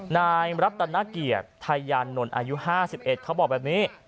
นายรัตนเกียรติไทยยานนท์อายุ๕๑เขาบอกแบบนี้